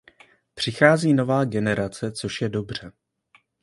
Přichází nová generace, což je dobře.